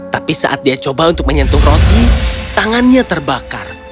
tapi saat dia coba untuk menyentuh roti tangannya terbakar